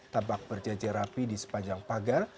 tampak berjajar rapi di sepanjang pagar